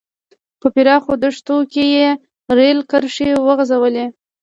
په پراخو دښتو کې یې رېل کرښې وغځولې.